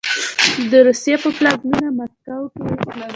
د روسیې په پلازمینه مسکو کې